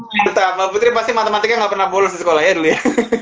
mantap mbak putri pasti matematika gak pernah bolos di sekolah ya dulu ya